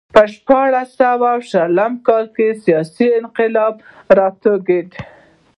په شپاړس سوه شل کال کې سیاسي انقلاب راوټوکېد